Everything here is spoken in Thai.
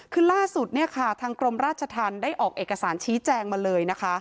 คือล่าสุดทางกรมราชทันได้ออกเอกสารชี้แจงมาเลย